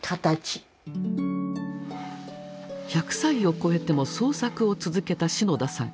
１００歳を超えても創作を続けた篠田さん。